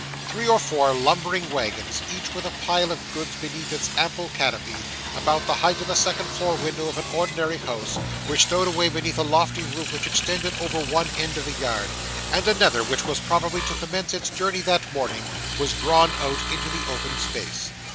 Three or four lumbering wagons, each with a pile of goods beneath its ample canopy, about the height of the second floor window of an ordinary house, were stowed away beneath a lofty roof which extended over one end of the yard; and another, which was probably to commence its journey that morning, was drawn out into the open space.